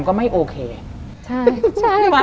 ทำไมเขาถึงจะมาอยู่ที่นั่น